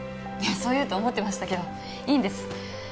そう言うと思ってましたけどいいんです。